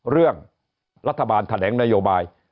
เรื่องรัฐบาลแถลงนโยบาย